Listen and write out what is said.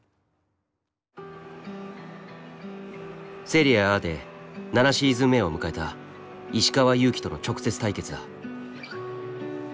セリエＡで７シーズン目を迎えた石川祐希との直接対決だ。